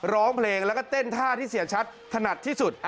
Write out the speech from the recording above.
ร้องเพลงแล้วก็เต้นท่าที่เสียชัดถนัดที่สุด